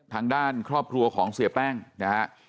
ทางด้านครอบครัวของเสียแป้งนะฮะ